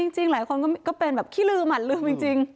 จริงหลายคนก็เป็นแบบขี้ลืมหั่นลืมจริง